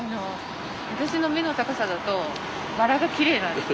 私の目の高さだとバラがきれいなんです。